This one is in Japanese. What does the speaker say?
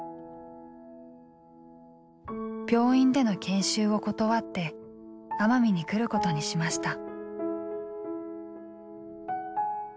病院での研修を断って奄美に来ることにしました。